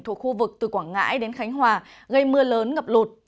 thuộc khu vực từ quảng ngãi đến khánh hòa gây mưa lớn ngập lụt